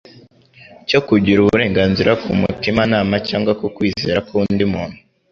cyo kugira uburenganzira ku mutimanama cyangwa ku kwizera k'undi muntu.